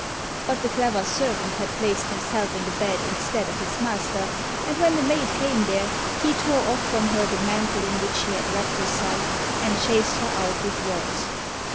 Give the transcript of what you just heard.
But the clever servant had placed himself in the bed instead of his master, and when the maid came there, he tore off from her the mantle in which she had wrapped herself, and chased her out with rods.